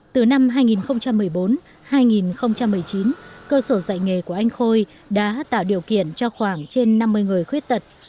từ năm hai nghìn một mươi bốn hai nghìn một mươi chín cơ sở dạy nghề của anh khôi đã tạo điều kiện cho khoảng trên năm mươi người khuyết tật